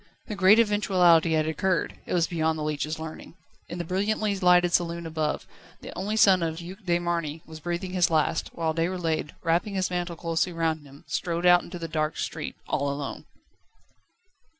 The great eventuality had occurred: it was beyond the leech's learning. In the brilliantly lighted saloon above, the only son of the Duc de Marny was breathing his last, whilst Déroulède, wrapping his mantle closely round him, strode out into the dark street, all alone.